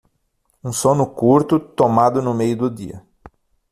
Um sono curto, tomado no meio do dia.